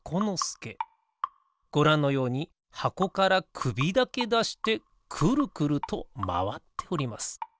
ごらんのようにはこからくびだけだしてくるくるとまわっております。